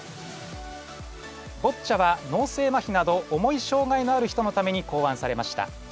ボッチャは脳性まひなど重いしょうがいのある人のためにこうあんされました。